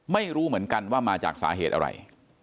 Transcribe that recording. ไม่รู้เหมือนกันว่ามาจากสาเหตุอะไร